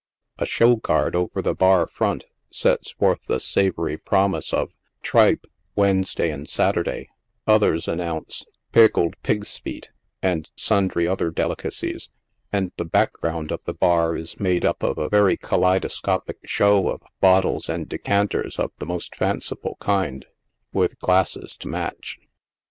A show card over the bar front sets forth the savory promise of " Tripe, Wednesday and Saturday," others an nounce (t pickled pigs' feet" and sundry other delicacies, and the back ground of the bar is made up of a very kaleidoscopic show of bottles and decanters of the most fanciful kind, with glasses to match.